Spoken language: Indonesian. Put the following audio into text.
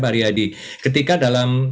pak ariyadi ketika dalam